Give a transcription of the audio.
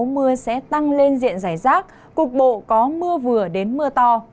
mưa sẽ tăng lên diện giải rác cục bộ có mưa vừa đến mưa to